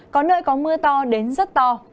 có nơi có mưa to đến rất to